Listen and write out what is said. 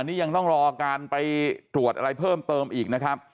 นี่ยังต้องรอการไปตรวจอะไรเพิ่มเติมอีกนะครับ